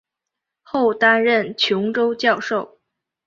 后担任琼州教授。